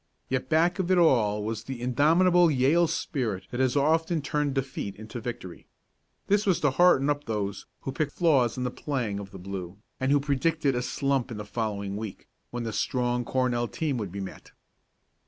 Yet back of it all was the indomitable Yale spirit that has often turned defeat into victory. This was to hearten up those who picked flaws in the playing of the blue, and who predicted a slump in the following week, when the strong Cornell team would be met.